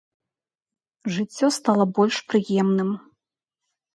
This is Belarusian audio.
Жыццё стала больш прыемным.